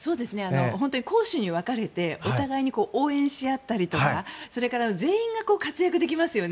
本当に攻守に分かれてお互いに応援し合ったりとかそれから全員が活躍できますよね。